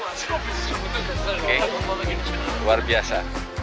oke luar biasa